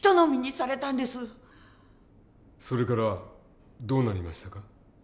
それからどうなりましたか？